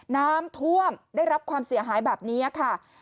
น้ำท่วมได้รับความเสียหายแบบนี้ค่ะ